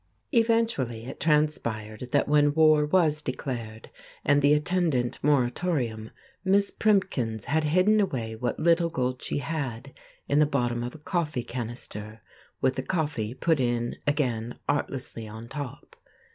Eventually, it transpired that when war was declared, and the attendant moratorium, Miss Primkins had hidden away what little gold she had in the bottom of a coffee canister, with the coffee put in again artlessly on top.